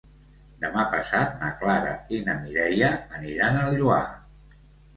Demà passat na Clara i na Mireia aniran al Lloar.